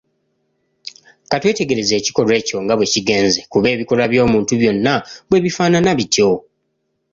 Ka twetegereze ekikolwa ekyo nga bwe kigenze, kuba ebikolwa by'omuntu byonna bwe bifanaana bityo.